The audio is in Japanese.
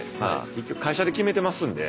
結局会社で決めてますんで。